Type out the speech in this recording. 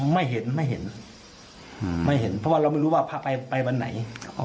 ไม่เห็นไม่เห็นไม่เห็นเพราะว่าเราไม่รู้ว่าพระไปไปวันไหน